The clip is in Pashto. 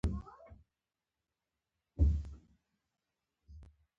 توحید سره اړخ نه لګوي.